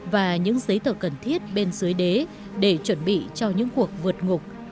và những giấy tờ cần thiết bên dưới đế để chuẩn bị cho những cuộc vượt ngục